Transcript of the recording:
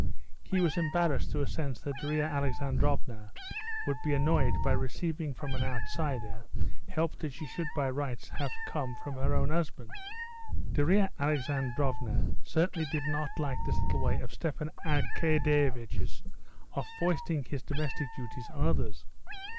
He was embarrassed through a sense that Darya Alexandrovna would be annoyed by receiving from an outsider help that should by rights have come from her own husband. Darya Alexandrovna certainly did not like this little way of Stepan Arkadyevitch's of foisting his domestic duties on others.